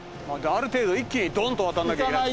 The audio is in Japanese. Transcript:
ある程度一気にどんと渡らなきゃいけない。